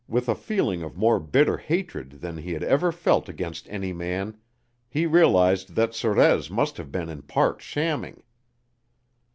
With a feeling of more bitter hatred than he had ever felt against any man, he realized that Sorez must have been in part shamming.